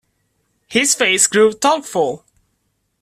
His face grew thoughtful.